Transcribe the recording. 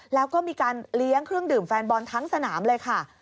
แล้วก็มีการเลี้ยงเครื่องดื่มแฟนบอลทั้งสนามเลยค่ะ